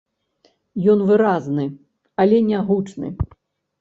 Ён выразны, але нягучны.